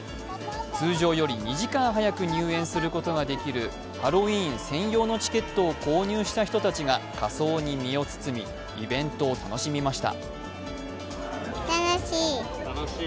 通常より２時間早く入園することができるハロウィーン専用のチケットを購入した人たちが仮装に身を包みイベントを楽しみました。